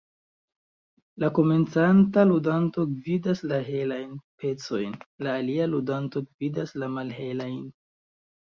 La komencanta ludanto gvidas la helajn pecojn, la alia ludanto gvidas la malhelajn.